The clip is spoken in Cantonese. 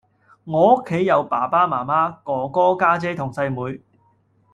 我屋企有爸爸媽媽，哥哥，家姐同細妹